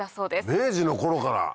明治の頃から！